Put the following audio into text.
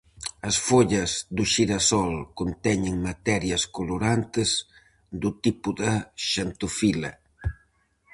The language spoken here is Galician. As follas do xirasol conteñen materias colorantes do tipo da xantofila.